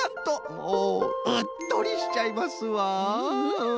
おおうっとりしちゃいますわ。フフフ。